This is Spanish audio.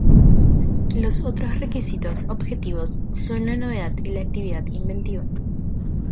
Los otros requisitos objetivos son la novedad y la actividad inventiva.